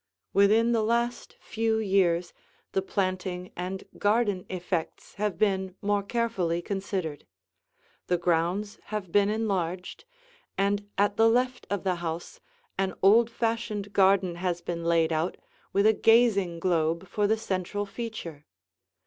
Within the last few years the planting and garden effects have been more carefully considered; the grounds have been enlarged, and at the left of the house an old fashioned garden has been laid out with a gazing globe for the central feature.